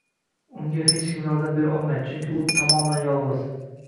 Unga hech kim yordam bera olmaydi, chunki u tamoman yolgʻiz